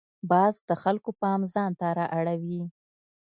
باز د خلکو پام ځان ته را اړوي